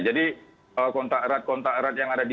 jadi kontak erat kontak erat yang ada di mall itu